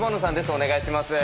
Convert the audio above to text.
お願いします。